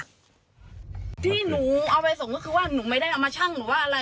ที่หนูเอาไปส่งก็คือว่าหนูไม่ได้เอามาชั่งหนูว่าอะไร